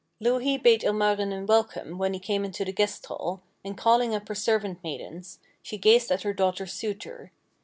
Louhi bade Ilmarinen welcome when he came into the guest hall, and calling up her servant maidens, she gazed at her daughter's suitor.